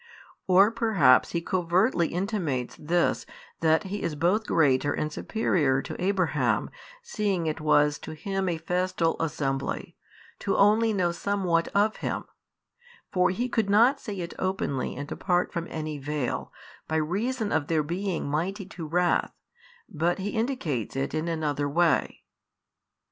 Or perhaps He covertly intimates this that He is both greater and superior to Abraham seeing it was to him a festal assembly, to only know somewhat of Him: for He could not say it openly and apart from any veil, by reason of their being mighty to wrath, but He indicates it in another way.